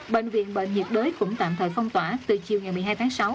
bệnh viện bệnh nhiệt đới cũng tạm thời phong tỏa từ chiều ngày một mươi hai tháng sáu